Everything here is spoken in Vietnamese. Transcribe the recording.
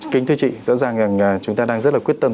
kính thưa chị rõ ràng chúng ta đang rất là quyết tâm